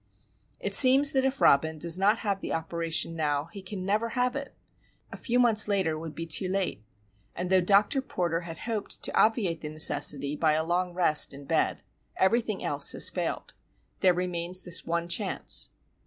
It seems that if Robin does not have the operation now he can never have it. A few months later would be too late. And though Dr. Porter had hoped to obviate the necessity by a long rest in bed, everything else has failed. There remains this one chance.